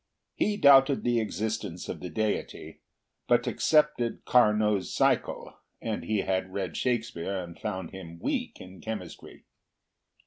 He doubted the existence of the deity, but accepted Carnot's cycle, and he had read Shakespeare and found him weak in chemistry.